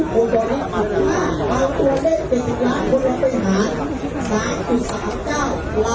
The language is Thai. กองมาตัวได้เต็มหลายคนเลียงไปหา